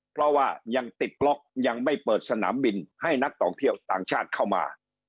เพราะว่ายังติดบล็อกยังไม่เปิดสนามบินให้นักท่องเที่ยวต่างชาติเข้ามา